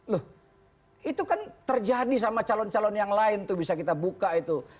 loh itu kan terjadi sama calon calon yang lain tuh bisa kita buka itu